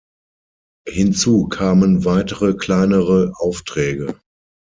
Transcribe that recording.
Hinzu kamen weitere kleinere Aufträge.